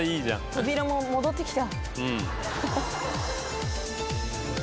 扉も戻ってきた。